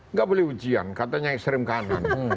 nggak boleh ujian katanya ekstrim kanan